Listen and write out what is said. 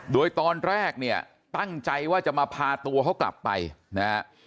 โดยตอนแรกเนี่ยตั้งใจว่าจะมาพาตัวเขากลับไปนะฮะ